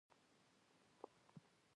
دوی ملي باورونه په تازیانو اداره کول.